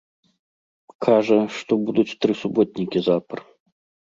Кажа, што будуць тры суботнікі запар.